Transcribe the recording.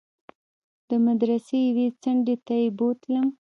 د مدرسې يوې څنډې ته يې بوتلم.